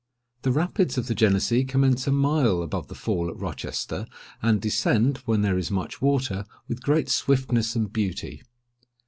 The Rapids of the Genessee commence a mile above the Fall at Rochester, and descend, when there is much water, with great swiftness and beauty.